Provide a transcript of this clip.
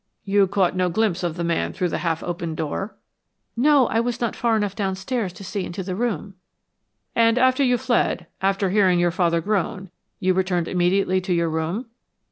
"You caught no glimpse of the man through the half opened door?" "No, I was not far enough downstairs to see into the room." "And when you fled, after hearing your father groan, you returned immediately to your room?"